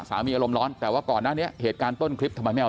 อารมณ์ร้อนแต่ว่าก่อนหน้านี้เหตุการณ์ต้นคลิปทำไมไม่เอา